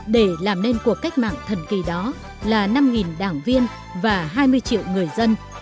để làm nên cuộc cách mạng thần kỳ đó là năm đảng viên và hai mươi triệu người dân